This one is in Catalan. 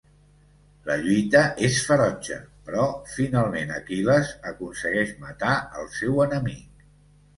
La lluita és ferotge, però finalment Aquil·les aconsegueix matar el seu enemic.